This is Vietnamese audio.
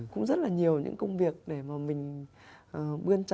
cũng rất là nhiều những công việc để mà mình bươn trải